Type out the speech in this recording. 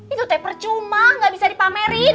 itu taper cuma gak bisa dipamerin